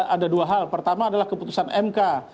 ada dua hal pertama adalah keputusan mk